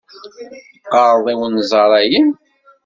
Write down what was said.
Teqqareḍ i Unẓar ayen.